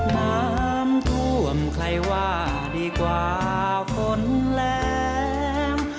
น้ำท่วมใครว่าดีกว่าฝนแรง